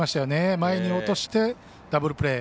前に落として、ダブルプレー。